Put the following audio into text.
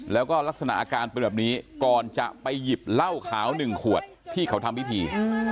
แล้วก็ลักษณะอาการเป็นแบบนี้ก่อนจะไปหยิบเหล้าขาว๑ขวดที่เขาทำพิธี